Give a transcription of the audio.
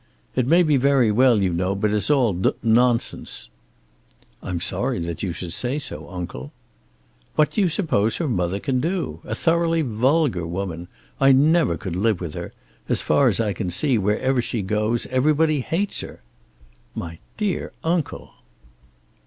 "It may be very well you know, but it's all d nonsense." "I'm sorry that you should think so, uncle." "What do you suppose her mother can do? a thoroughly vulgar woman. I never could live with her. As far as I can see wherever she goes everybody hates her." "My dear uncle!"